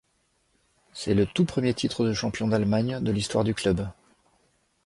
C'est le tout premier titre de champion d'Allemagne de l'histoire du club.